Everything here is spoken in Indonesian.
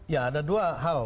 ya ada dua hal